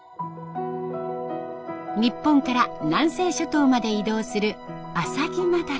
日本から南西諸島まで移動するアサギマダラ。